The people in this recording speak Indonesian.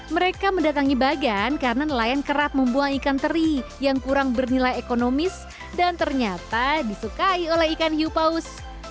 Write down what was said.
mereka mendatangi bagan karena nelayan kerap membuang ikan teri yang kurang bernilai ekonomis dan ternyata disukai oleh ikan hiu paus